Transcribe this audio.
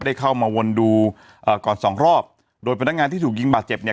ได้เข้ามาวนดูเอ่อก่อนสองรอบโดยพนักงานที่ถูกยิงบาดเจ็บเนี่ย